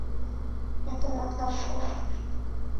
এতো মাতলামি করো না।